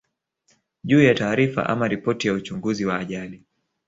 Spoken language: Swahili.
juu ya taarifa ama ripoti ya uchunguzi wa ajali